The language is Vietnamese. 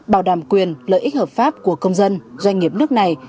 bảo đảm quyền lợi ích hợp pháp của công dân doanh nghiệp nước này